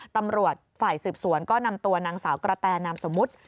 ตำรวจฝ่ายสืบสวนก็นำตัวนางสาวกระแตนามสมมุติ